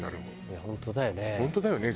いや本当だよね。